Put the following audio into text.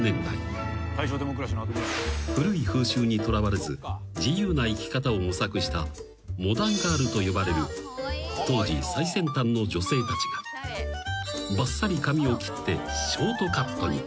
［古い風習にとらわれず自由な生き方を模索したモダンガールと呼ばれる当時最先端の女性たちがばっさり髪を切って］